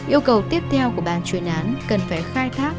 yêu cầu tiếp theo của bàn chuyên án cần phải khai thác